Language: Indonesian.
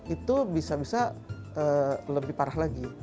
itu bisa bisa lebih parah lagi